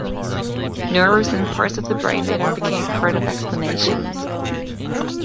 Nerves and parts of the brain later became part of explanations.